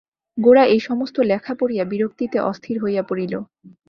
গোরা এই-সমস্ত লেখা পড়িয়া বিরক্তিতে অস্থির হইয়া পড়িল।